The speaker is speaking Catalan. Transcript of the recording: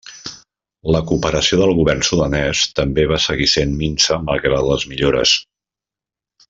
La cooperació del govern sudanès també va seguir sent minsa malgrat les millores.